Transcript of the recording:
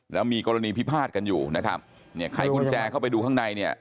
แล้วมีกรณีพิพาทกันอยู่นะครับเนี่ยไขกุญแจเข้าไปดูข้างในเนี่ย